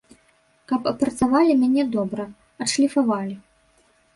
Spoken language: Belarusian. Каб апрацавалі мяне добра, адшліфавалі.